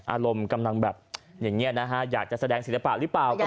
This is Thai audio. อารมณ์กำลังแบบอย่างนี้นะฮะอยากจะแสดงศิลปะหรือเปล่า